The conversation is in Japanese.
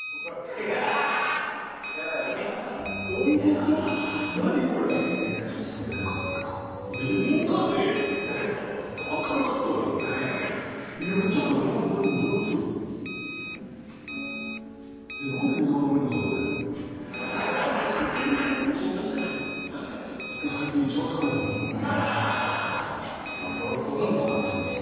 いやわかんない。